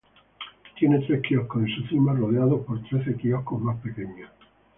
Tiene tres quioscos en su cima rodeados por trece quioscos más pequeños.